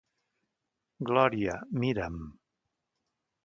Gloria, mira'm!